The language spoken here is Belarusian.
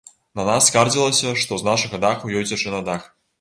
На нас скардзілася, што з нашага даху ёй цячэ на дах.